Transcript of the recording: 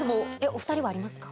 お２人はありますか？